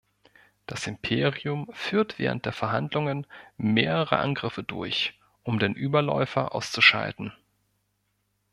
Das Imperium führt während der Verhandlungen mehrere Angriffe durch, um den Überläufer auszuschalten.